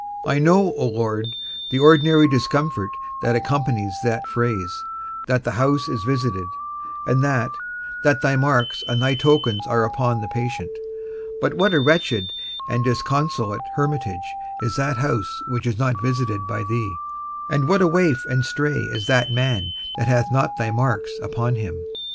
I know, O Lord, the ordinary discomfort that accompanies that phrase, that the house is visited, and that, that thy marks and thy tokens are upon the patient; but what a wretched and disconsolate hermitage is that house which is not visited by thee, and what a waif and stray is that man that hath not thy marks upon him?